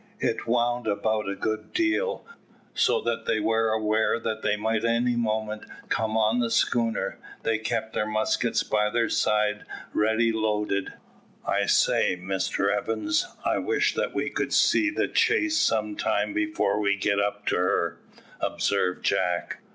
It wound about a good deal, so that they were aware they might any moment come on the schooner. They kept their muskets by their sides ready loaded. "I say, Mr Evans, I wish that we could see the chase some time before we get up to her," observed Jack.